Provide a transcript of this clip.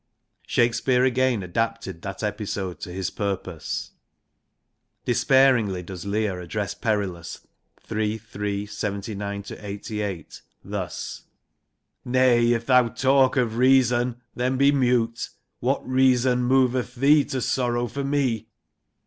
Shakespeare again adapted that episode to his purpose. Despairingly does Leir address Perillus (III. Hi. 79 88) thus ' Nay, if thou talk of reason, then be mute ;... What reason moveth thee to sorrow for me